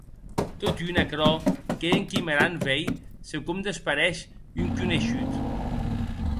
Totun aquerò, qu’ei enquimerant veir se com despareish un coneishut.